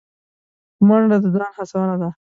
منډه د ځان هڅونه ده